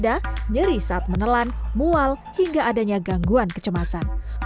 menyedihkan di bagian dada nyeri saat menelan mual hingga adanya gangguan kecemasan